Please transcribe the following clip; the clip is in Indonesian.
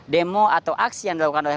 demo atau aksi yang dilakukan oleh